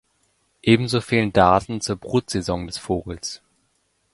Ebenso fehlen Daten zur Brutsaison des Vogels.